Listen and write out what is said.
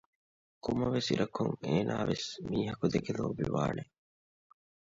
ކޮންމެވެސް އިރަކުން އޭނާވެސް މީހަކު ދެކެ ލޯބިވާނެ